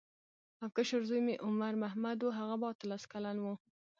او کشر زوی مې عمر محمد و هغه به اتلس کلن و.